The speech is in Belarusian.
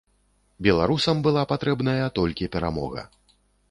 Беларусам была патрэбная толькі перамога.